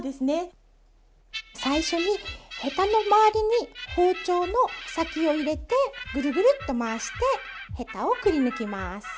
最初にヘタの周りに包丁の先を入れてぐるぐるっと回してヘタをくりぬきます。